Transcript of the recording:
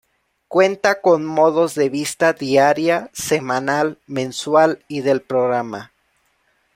Cuenta con modos de vista diaria, semanal, mensual y del programa.